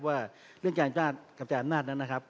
ว่าเรื่องการกระจายอำนาจนั้นนะครับ